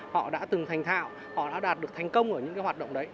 họ đã từng thành thạo họ đã đạt được thành công ở những cái hoạt động đấy